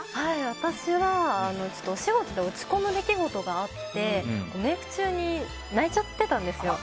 私はお仕事で落ち込む出来事があってメイク中に泣いちゃってたんですよ。